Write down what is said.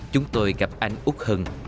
chúng tôi gặp anh út hần